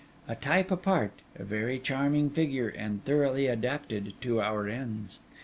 'A type apart; a very charming figure; and thoroughly adapted to our ends.